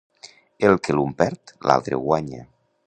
El que l'un perd, l'altre ho guanya.